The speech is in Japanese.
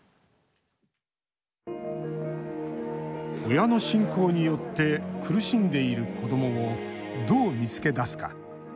親の信仰によって苦しんでいる子どもをどう見つけ出すか。